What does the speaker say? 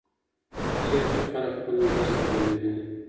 چېرته خلک خپل نظر څرګندوي؟